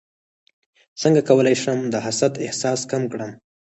څنګه کولی شم د حسد احساس کم کړم